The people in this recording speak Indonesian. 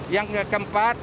yang ke keempat